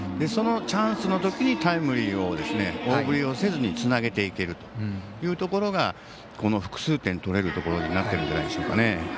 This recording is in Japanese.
そのチャンスのときにタイムリーを大振りをせずにつなげていけるというところがこの複数点取れるところになっているんじゃないですかね。